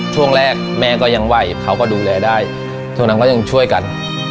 ช่วงแรกแม่ก็ยังไหวเขาก็ดูแลได้ช่วงนั้นก็ยังช่วยกัน